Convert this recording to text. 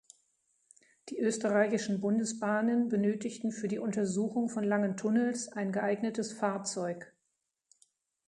Die Österreichischen Bundesbahnen benötigten für die Untersuchung von langen Tunnels ein geeignetes Fahrzeug.